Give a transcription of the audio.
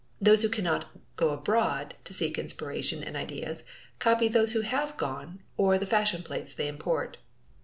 Those who cannot go abroad to seek inspiration and ideas copy those who have gone or the fashion plates they import.